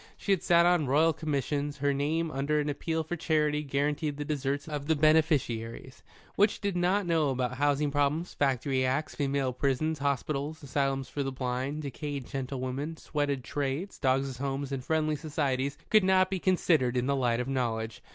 She had sat on Royal Commissions. Her name under an appeal for charity guaranteed the deserts of the beneficiaries. What she did not know about housing problems, factory acts, female prisons, hospitals, asylums for the blind, decayed gentlewomen, sweated trades, dogs' homes and Friendly Societies could not be considered in the light of knowledge.